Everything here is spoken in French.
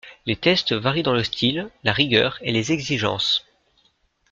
Les tests varient dans le style, la rigueur et les exigences.